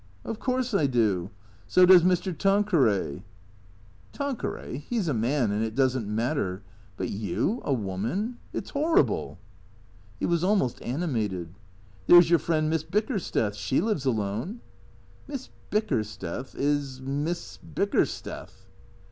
" Of course I do. So does Mr. Tanqueray." " Tanqueray. He 's a man, and it does n't matter. But you, a woman It 's horrible." He was almost animated. " There 's your friend, Miss Bickersteth. She lives alone." " Miss Bickersteth — is Miss Bickersteth."